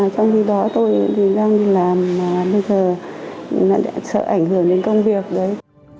trong khi đó tôi đang làm bây giờ sợ ảnh hưởng đến công việc đấy